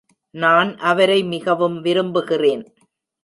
நான் அவரை மிகவும் விரும்புகிறேன்.